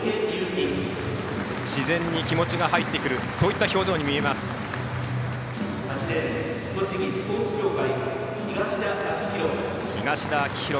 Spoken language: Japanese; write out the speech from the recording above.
自然に気持ちが入ってくるそういった表情に見えます、小池。